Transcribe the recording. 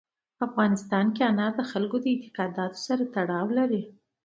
په افغانستان کې انار د خلکو د اعتقاداتو سره تړاو لري.